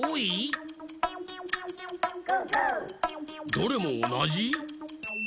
どれもおなじ？